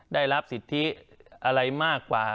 ได้รับสิทธิอะไรมากกว่า